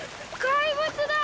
怪物だ！